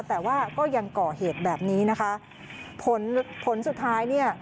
แต่ว่าก็ยังก่อเหตุแบบนี้นะคะผลผลสุดท้ายเนี่ย